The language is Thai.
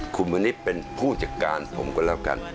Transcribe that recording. คุณมณิษฐ์เป็นผู้จัดการผมก็แล้วกัน